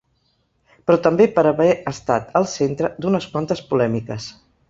Però també per haver estat el centre d’unes quantes polèmiques.